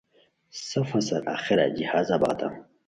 سفو سار آخرا جہازا بغاتام۔